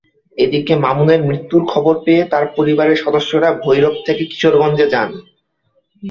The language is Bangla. এদিকে মামুনের মৃত্যুর খবর পেয়ে তাঁর পরিবারের সদস্যরা ভৈরব থেকে কিশোরগঞ্জে যান।